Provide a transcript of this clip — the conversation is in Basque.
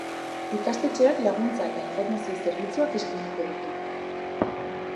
Ikastetxeak laguntza eta informazio zerbitzuak eskainiko ditu.